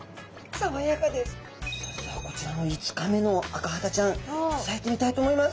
さあこちらの５日目のアカハタちゃん頂いてみたいと思います。